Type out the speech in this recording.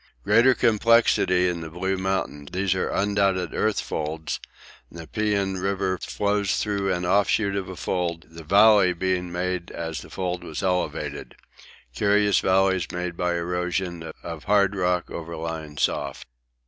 Greater complexity in the Blue Mountains these are undoubted earth folds; the Nepean River flows through an offshoot of a fold, the valley being made as the fold was elevated curious valleys made by erosion of hard rock overlying soft.